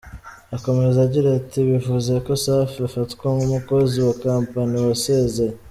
Akomeza agira ati “Bivuze ko safi afatwa nk’umukozi wa ‘kapani’ wasezeye.